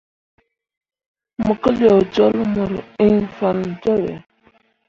Mo keleo jolle mu ĩĩ fan joŋ ɓe.